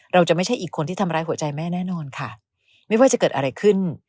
ไม่ใช่อีกคนที่ทำร้ายหัวใจแม่แน่นอนค่ะไม่ว่าจะเกิดอะไรขึ้น